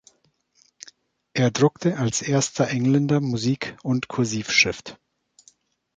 Er druckte als erster Engländer Musik- und Kursivschrift.